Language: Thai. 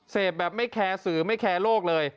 เสพแบบไม่แคร์สื่อไม่แคร์โลกเลย